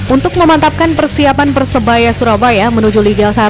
untuk memantapkan persiapan persebaya surabaya menuju liga satu